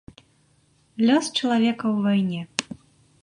Лёс чалавека ў вайне.